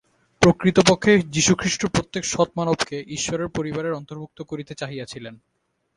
প্রকৃতপক্ষে যীশুখ্রীষ্ট প্রত্যেক সৎ মানবকে ঈশ্বরের পরিবারের অন্তর্ভুক্ত করিতে চাহিয়াছিলেন।